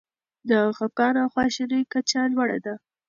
د خپګان او خواشینۍ کچه لوړه ده.